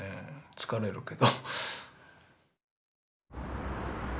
疲れるけど。